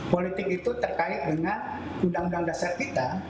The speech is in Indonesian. politik itu terkait dengan undang undang dasar kita